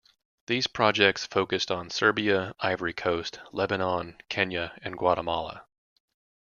These projects focused on Serbia, Ivory Coast, Lebanon, Kenya and Guatemala.